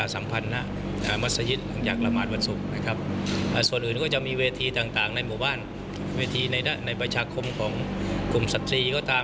ส่วนอื่นก็จะมีเวทีต่างในหมู่บ้านเวทีในประชาคมของกลุ่มสตรีก็ตาม